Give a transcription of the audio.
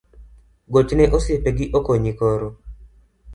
Gochne osipe gi okonyi koro